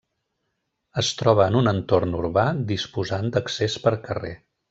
Es troba en un entorn urbà disposant d'accés per carrer.